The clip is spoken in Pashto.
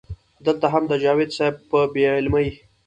دلته هم د جاوېد صېب پۀ بې علمۍ